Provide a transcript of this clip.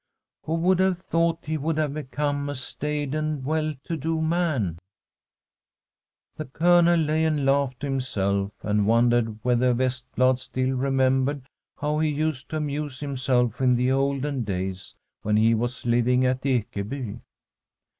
Who would have thought he would have become a staid and well to do man ? The Colonel lay and laughed to himself, and wondered whether Vestblad still remembered how he used to amuse himself in the olden days when he was living at Ekeby.